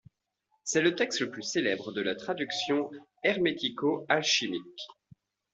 C'est le texte le plus célèbre de la tradition hermético-alchimique.